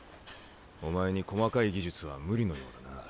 お前に細かい技術は無理のようだな。